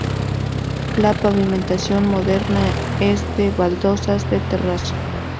La pavimentación, moderna, es de baldosas de terrazo.